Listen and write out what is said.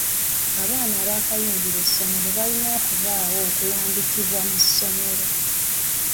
Abaana abaakayingira essomero balina okubaawo okulambikibwa mu ssomero.